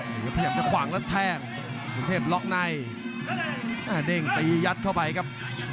พยายามจะขวางแล้วแทงสุเทพล็อกในเด้งตียัดเข้าไปครับ